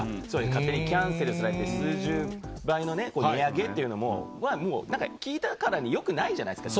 勝手にキャンセルされて、数十倍のね、値上げっていうのは、もうなんか聞いたからに、よくないじゃないですか。